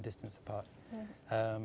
di setiap lokasi